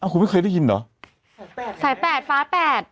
คุณไม่เคยได้ยินเหรอ